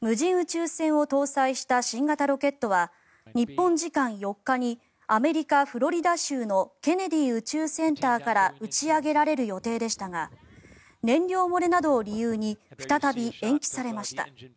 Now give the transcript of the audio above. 無人宇宙船を搭載した新型ロケットは日本時間４日にアメリカ・フロリダ州のケネディ宇宙センターから打ち上げられる予定でしたが燃料漏れなどを理由に再び延期されました。